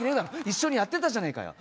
一緒にやってたじゃねえかよ！